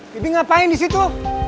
bi bi ngapain di situ